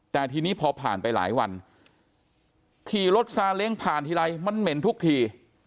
แต่ทีนี้พอผ่านไปหลายวันขี่รถซาเล้งผ่านทีไรมันเหม็นทุกที